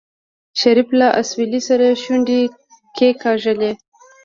شريف له اسويلي سره شونډې کېکاږلې.